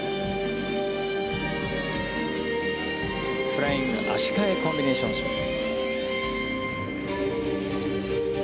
フライング足換えコンビネーションスピン。